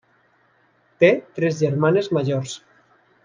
Té tres germanes majors.